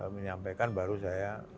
menyampaikan baru saya